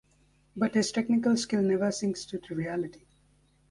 But his technical skill never sinks to triviality.